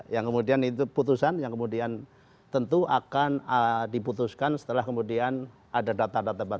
yang kemudian itu putusan yang kemudian tentu akan diputuskan setelah kemudian ada data data baru